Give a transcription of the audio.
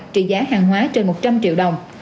trị giá hàng hóa trên một trăm linh triệu đồng